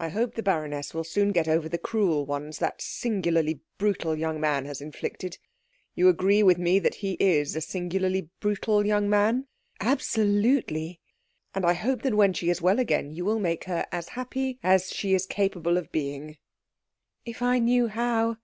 "I hope the baroness will soon get over the cruel ones that singularly brutal young man has inflicted. You agree with me that he is a singularly brutal young man?" "Absolutely." "And I hope that when she is well again you will make her as happy as she is capable of being." "If I knew how!"